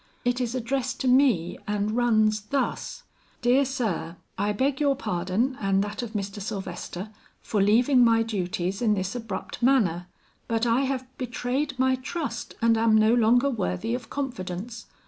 It is addressed to me and runs thus: "DEAR SIR. I beg your pardon and that of Mr. Sylvester for leaving my duties in this abrupt manner. But I have betrayed my trust and am no longer worthy of confidence.